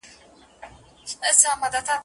چي هره چېغه پورته کم پاتېږي پر ګرېوان.